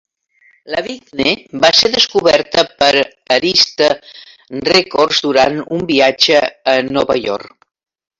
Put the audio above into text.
Lavigne va ser descoberta per Arista Records durant un viatge a Nova York.